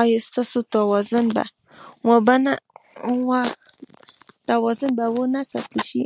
ایا ستاسو توازن به و نه ساتل شي؟